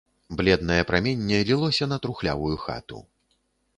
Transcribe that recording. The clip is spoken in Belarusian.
Бледнае праменне лілося на трухлявую хату.